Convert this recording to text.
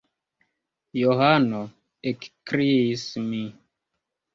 Johano! ekkriis mi.